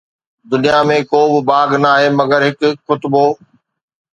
دنيا ۾ ڪو به باغ ناهي مگر هڪ خطبو!